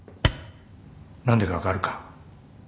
何でか分かるか？